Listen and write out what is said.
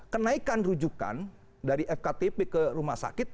kenaikan rujukan dari fktp ke rumah sakit